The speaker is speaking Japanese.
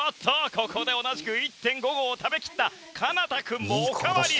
ここで同じく１．５合を食べきった奏君もおかわり！